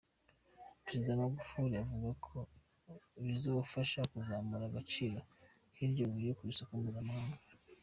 Prezida Magufuli avuga ko bizofasha kuzamura agaciro k'iryo buye ku soko mpuzamakungu.